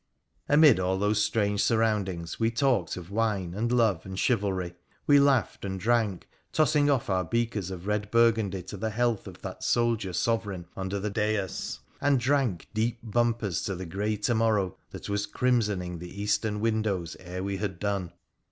Amid all those strange surround ings we talked of wine, and love, and chivalry ; we laughed and drank, tossing off our beakers of red burgundy to the health of that soldier Sovereign under the dais, and drank deep bumpers to the grey to morrow that was crimsoning the eastern windows ere we had done.